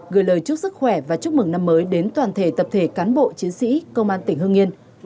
gửi lời chúc sức khỏe và chúc mừng năm mới đến toàn thể tập thể cán bộ chiến sĩ công an tỉnh hương yên